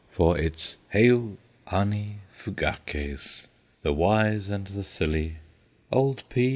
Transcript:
For it 's ' Heu anni fugaces I The wise and the silly, Old P.